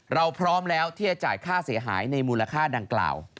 เราพร้อมแล้วที่จะจ่ายค่าเสียหายในมูลค่าดังกล่าว